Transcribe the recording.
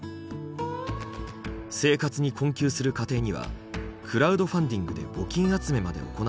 生活に困窮する家庭にはクラウドファンディングで募金集めまで行っています。